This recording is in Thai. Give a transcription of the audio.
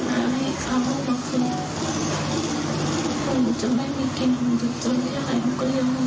ต้องอยากจะได้มีกินต้องอยากจะให้คุณก็อย่างงั้น